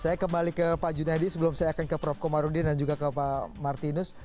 saya kembali ke pak junaidi sebelum saya akan ke prof komarudin dan juga ke pak martinus